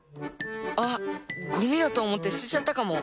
あっゴミだとおもってすてちゃったかも。